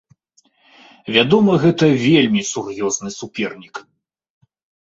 Вядома, гэта вельмі сур'ёзны супернік.